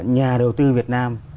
nhà đầu tư việt nam